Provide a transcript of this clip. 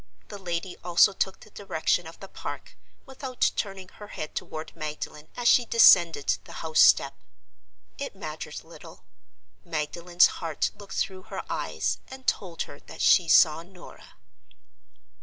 The lady also took the direction of the Park, without turning her head toward Magdalen as she descended the house step. It mattered little; Magdalen's heart looked through her eyes, and told her that she saw Norah.